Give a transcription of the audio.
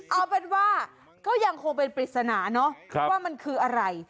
เอาเป็นว่าก็ยังคงเป็นปริศนาเนอะว่ามันคืออะไร